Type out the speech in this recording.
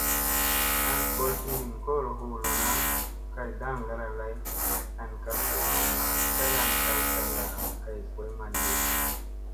An gol iirin kolo hu lona, kay daŋgaada lay an ka fi vama tagan taltalla kay boy manɗi.